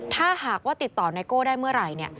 ถ้าหากว่าติดต่อไนโก้ได้เมื่อไหร่เนี่ย